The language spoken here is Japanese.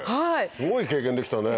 すごい経験できたね。